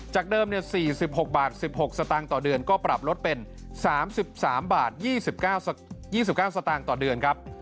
เดิม๔๖บาท๑๖สตางค์ต่อเดือนก็ปรับลดเป็น๓๓บาท๒๙สตางค์ต่อเดือนครับ